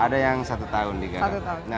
ada yang satu tahun digarapkan